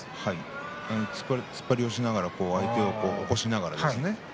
突っ張りをしながら相手を起こしながらですね。